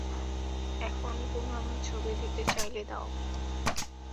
এখন, পুনামের ছবি দিতে চাইলে দাও।